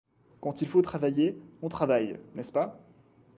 Quand il faut travailler, on travaille, n'est-ce pas?